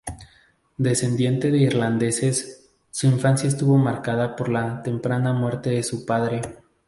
Descendiente de irlandeses, su infancia estuvo marcada por la temprana muerte de su padre.